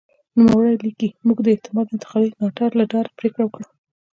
نوموړی لیکي موږ د احتمالي انتقالي ناتار له ډاره پرېکړه وکړه.